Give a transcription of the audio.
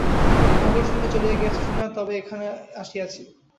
মোগল সৈন্য চলিয়া গিয়াছে শুনিয়া তবে এখানে আসিয়াছি।